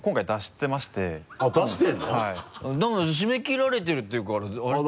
締め切られてるって言うから。